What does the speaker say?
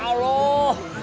ulu kenapa be